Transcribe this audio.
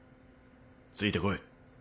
ついてこい。